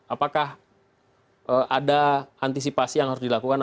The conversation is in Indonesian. apakah ada antisipasi yang harus dilakukan